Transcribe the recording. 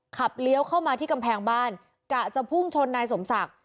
เลี้ยวเข้ามาที่กำแพงบ้านกะจะพุ่งชนนายสมศักดิ์